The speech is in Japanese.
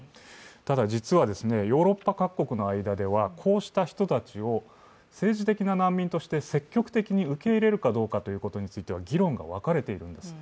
ただ実は、ヨーロッパ各国の間ではこうした人たちを政治的な難民として積極的に受け入れるかどうかということについては議論が分かれているんです。